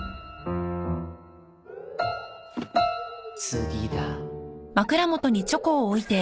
次だ。